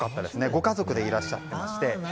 ご家族でいらっしゃったりして。